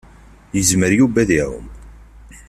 Yezmer Yuba ad iɛumm.